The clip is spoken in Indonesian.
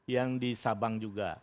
yang di sabang juga